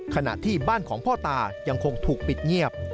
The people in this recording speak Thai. ขณะที่บ้านของพ่อตายังคงถูกปิดเงียบ